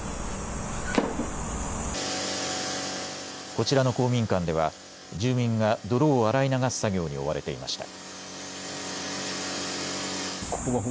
こちらの公民館では住民が泥を洗い流す作業に追われていました。